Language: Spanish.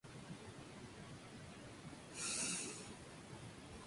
Se ha descrito un uso alternativo de sitios de poli-A en este gen.